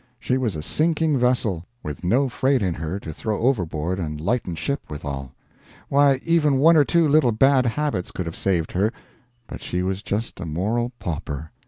She was a sinking vessel, with no freight in her to throw overboard and lighten ship withal. Why, even one or two little bad habits could have saved her, but she was just a moral pauper.